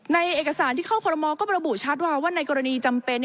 เอกสารที่เข้าคอลโมก็ระบุชัดว่าว่าในกรณีจำเป็น